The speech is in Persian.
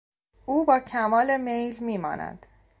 او با کمال میل میماند.